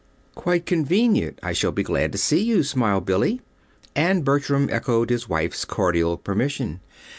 "Quite convenient. I shall be glad to see you," smiled Billy. And Bertram echoed his wife's cordial permission.